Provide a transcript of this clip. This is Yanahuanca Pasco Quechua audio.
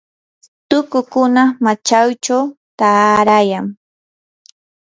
tukukuna machaychaw taarayan.